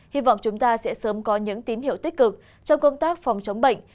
hy vọng chúng ta sẽ sớm có những tín hiệu tích cực trong công tác phòng chống bệnh